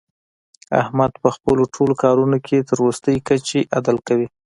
احمد په خپلو ټول کارونو کې تر ورستۍ کچې عدل کوي.